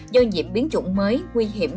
do nhiễm biến chủng mới nguy hiểm